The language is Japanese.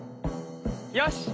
よし。